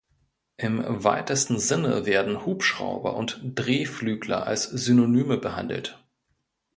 Im weitesten Sinne werden "Hubschrauber" und "Drehflügler" als Synonyme behandelt.